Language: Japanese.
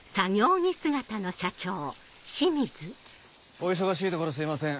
お忙しいところすいません